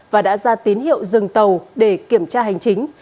và đã ra tín hiệu dừng tàu để kiểm tra hành chính